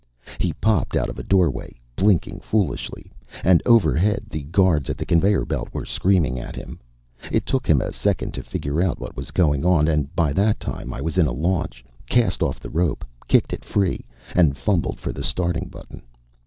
He popped out of a doorway, blinking foolishly; and overhead the guards at the conveyor belt were screaming at him. It took him a second to figure out what was going on, and by that time I was in a launch, cast off the rope, kicked it free, and fumbled for the starting button.